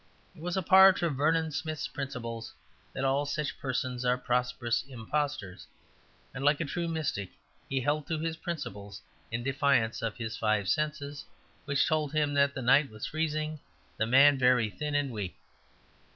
It was a part of Vernon Smith's principles that all such persons are prosperous impostors; and like a true mystic he held to his principles in defiance of his five senses, which told him that the night was freezing and the man very thin and weak.